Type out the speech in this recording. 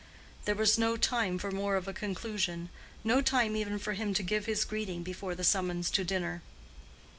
There was no time for more of a conclusion—no time even for him to give his greeting before the summons to dinner.